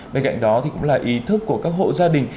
bên cạnh đó thì cũng là ý thức của các hộ gia đình